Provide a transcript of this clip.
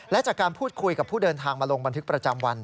และจากการพูดคุยกับผู้เดินทางมาลงบันทึกประจำวัน